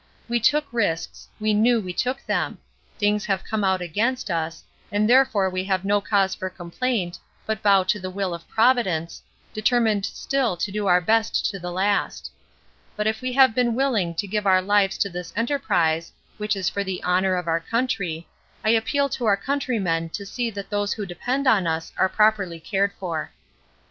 We took risks, we knew we took them; things have come out against us, and therefore we have no cause for complaint, but bow to the will of Providence, determined still to do our best to the last. But if we have been willing to give our lives to this enterprise, which is for the honour of our country, I appeal to our countrymen to see that those who depend on us are properly cared for.